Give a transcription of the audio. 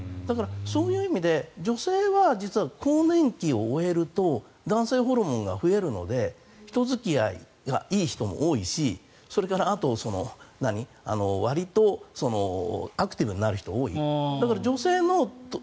そういう意味で女性は実は更年期を終えると男性ホルモンが増えるので人付き合いがいい人も多いしそれから、あとはわりとアクティブになる人が多い。